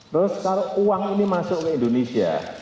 terus kalau uang ini masuk ke indonesia